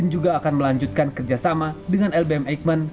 bin juga akan melanjutkan kerjasama dengan lbm ekban